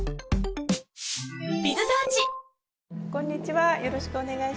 こんにちはよろしくお願いします。